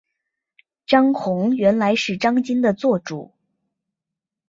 张宏原来是张鲸的座主。